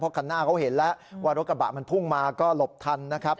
คันหน้าเขาเห็นแล้วว่ารถกระบะมันพุ่งมาก็หลบทันนะครับ